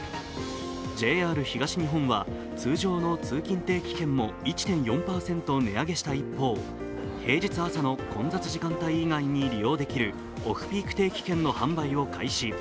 ＪＲ東日本は、通常の通勤定期券も１．４％値上げした一方平日朝の混雑時間帯以外に利用できるオフピーク定期券の販売を開始。